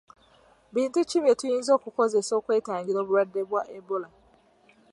Bintu ki bye tuyinza okukozesa okwetangira obulwadde bwa Ebola?